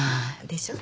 でしょ。